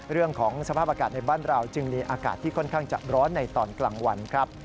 เรื่องของสภาพอากาศในบ้านเราจึงมีอากาศที่ค่อนข้างจะร้อนในตอนกลางวันครับ